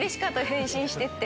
変身してて。